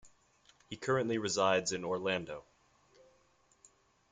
He currently resides in Orlando.